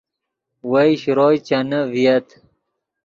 وئے شروئے چینے ڤییت